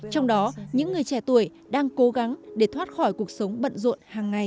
trong đó những người trẻ tuổi đang cố gắng để thoát khỏi cuộc sống bận rộn hàng ngày